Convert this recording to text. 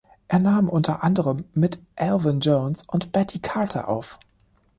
Er nahm unter anderem mit Elvin Jones und Betty Carter auf.